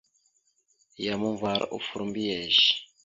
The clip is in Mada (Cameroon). Yam uvar offor mbiyez.